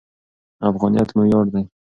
افغانیت مو ویاړ دی.